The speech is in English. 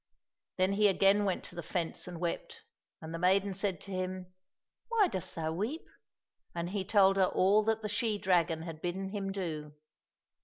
" Then he again went to the fence and wept, and the maiden said to him, " Why dost thou weep ?" and he told her all that the she dragon had bidden him do.